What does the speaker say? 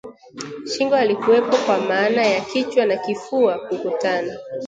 Shingo halikuwepo kwa maana ya kichwa na kifua kukutana